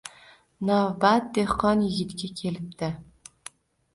Navbat dehqon yigitga kelibdi